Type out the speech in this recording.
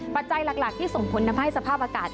ปัจจัยหลักที่ส่งผลทำให้สภาพอากาศ